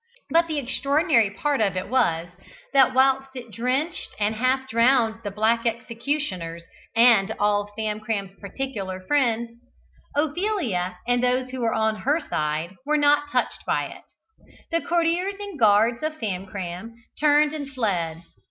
But the extraordinary part of it was that whilst it drenched and half drowned the black executioners and all Famcram's particular friends, Ophelia and those who were on her side were not touched by it. The courtiers and guards of Famcram turned and fled.